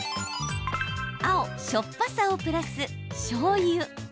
青・しょっぱさをプラスしょうゆ。